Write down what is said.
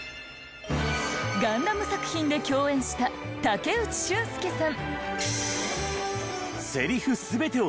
『ガンダム』作品で共演した武内駿輔さん。